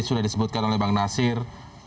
sudah disebutkan oleh bang nasir